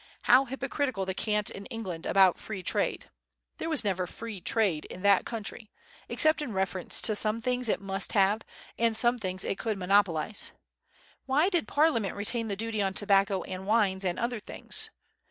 How hypocritical the cant in England about free trade! There never was free trade in that country, except in reference to some things it must have, and some things it could monopolize. Why did Parliament retain the duty on tobacco and wines and other things?